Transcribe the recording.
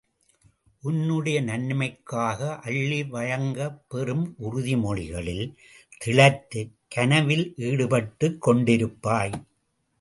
உன்னுடைய நன்மைக்காக அள்ளி வழங்கப்பெறும் உறுதிமொழிகளில் திளைத்துக் கனவில் ஈடுபட்டுக் கொண்டிருப்பாய்!